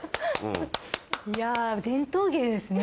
いや伝統芸ですね